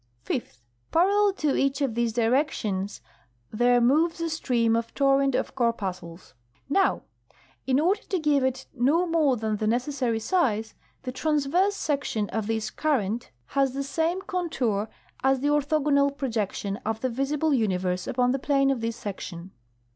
Fifth. Parallel to each of these directions there moves a stream or torrent of corpuscles. Now, in order to give it no more than the neces sary size, the transverse section of this current has the same contour as THE THEORY OF GRAVITATION. 159 the orthogonal projection of the visible universe upon the plane of this section.